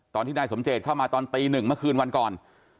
ตอนที่นายสมเจตเข้ามาตอนตีหนึ่งเมื่อคืนวันก่อน